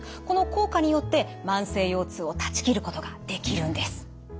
この効果によって慢性腰痛を断ち切ることができるんです。